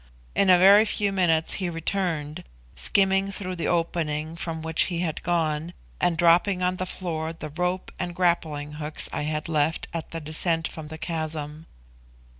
In a very few minutes he returned, skimming through the opening from which he had gone, and dropping on the floor the rope and grappling hooks I had left at the descent from the chasm.